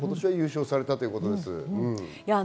今年は優勝されたということです。